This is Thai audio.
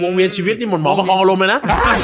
วงเวียนชีวิตนี่หมดหมอประคอรมเลยน่ะค่ะฮ่าฮ่าฮ่า